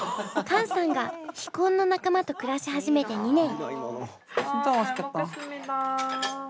カンさんが非婚の仲間と暮らし始めて２年。